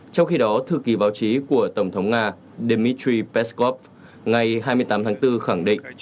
trong khi đó thư kỳ báo chí của tổng thống nga dmitry peskov ngày hai mươi tám tháng bốn khẳng định